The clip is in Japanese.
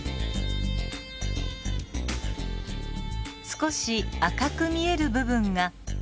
少し赤く見える部分が髄質です。